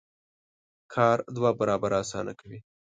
کار دوه برابره اسانه کوي.